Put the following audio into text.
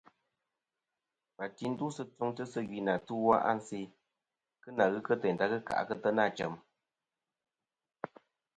Wà ti ndusɨ tfɨŋsɨ sɨ gvi nɨ atu-a a nse kɨ ghɨ kɨ teyn ta kɨ n-tena chem-a.